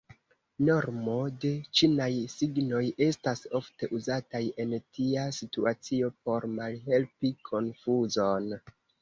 Normo de ĉinaj signoj estas ofte uzataj en tia situacio por malhelpi konfuzon.